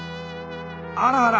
あらあら！